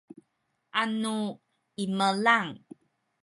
anu imelang